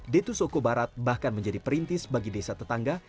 ditusuko barat bahkan menjadi perintis bagi desa tetangga